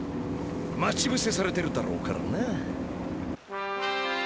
待ちぶせされてるだろうからな。